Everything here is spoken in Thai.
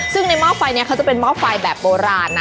ซึ่งในหม้อไฟนี้เขาจะเป็นหม้อไฟแบบโบราณนะ